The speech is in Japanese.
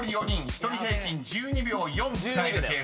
１人平均１２秒４使える計算］